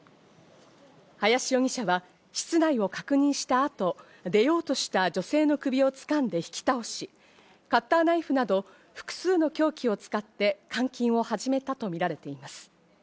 林容疑者は室内を確認した後、出ようとした女性の首を掴んで引き倒し、カッターナイフなど複数の凶器を使って監禁を始めたとみられています。